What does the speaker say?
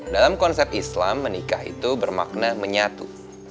dalam konsep islam menikah itu bermakna menyatu